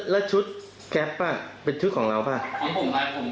แล้วชุดแก๊ปอ่ะเป็นชุดของเราป่ะผมวิ่งไลน์แมนก็ผมไม่ได้วิ่งแก๊ปครับ